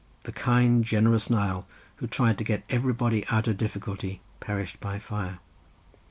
The kind generous Nial, who tried to get everybody out of difficulty, perished by fire.